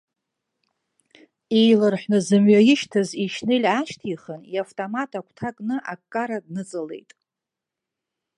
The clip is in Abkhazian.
Еиларҳәны зымҩа ишьҭаз ишьнел аашьҭихын, иавтомат агәҭа кны, аккара дныҵалеит.